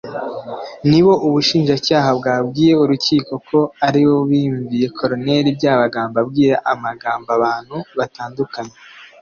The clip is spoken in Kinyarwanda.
nibo ubushinjacyaha bwabwiye Urukiko ko aribo biyumviye Col Byabagamba abwira amagambo abantu batandukanye